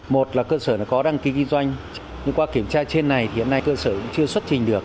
một là cơ sở có đăng ký kinh doanh nhưng qua kiểm tra trên này thì hiện nay cơ sở cũng chưa xuất trình được